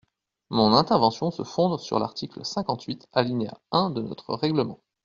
Mon intervention se fonde sur l’article cinquante-huit, alinéa un de notre règlement.